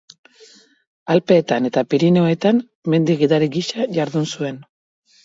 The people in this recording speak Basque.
Alpeetan eta Pirinioetan mendi-gidari gisa jardun zuen.